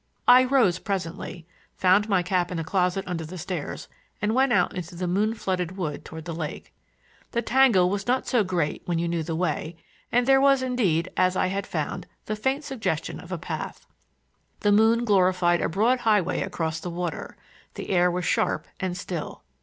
I rose presently, found my cap in a closet under the stairs, and went out into the moon flooded wood toward the lake. The tangle was not so great when you knew the way, and there was indeed, as I had found, the faint suggestion of a path. The moon glorified a broad highway across the water; the air was sharp and still.